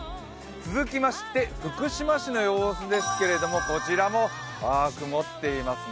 続きまして、福島市の様子ですけれども、こちらも曇っていますね。